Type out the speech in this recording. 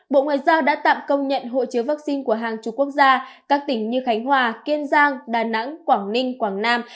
bộ ngoại giao đã tạm công nhận hộ chiếu vaccine của hàng chục quốc gia các tỉnh như khánh hòa kiên giang đà nẵng quảng ninh quảng nam